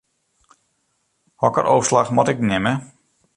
Hokker ôfslach moat ik nimme?